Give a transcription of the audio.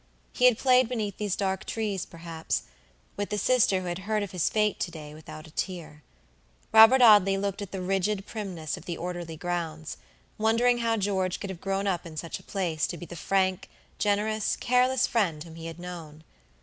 He had played beneath these dark trees, perhaps, with the sister who had heard of his fate to day without a tear. Robert Audley looked at the rigid primness of the orderly grounds, wondering how George could have grown up in such a place to be the frank, generous, careless friend whom he had known.